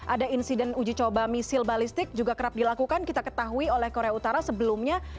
ada insiden uji coba misil balistik juga kerap dilakukan kita ketahui oleh korea utara sebelumnya